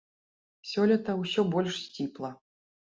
Сёлета ўсё больш сціпла.